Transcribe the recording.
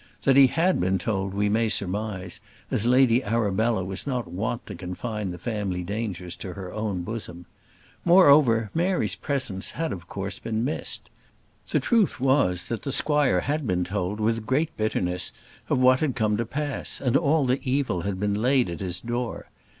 That he had been told, we may surmise, as Lady Arabella was not wont to confine the family dangers to her own bosom. Moreover, Mary's presence had, of course, been missed. The truth was, that the squire had been told, with great bitterness, of what had come to pass, and all the evil had been laid at his door.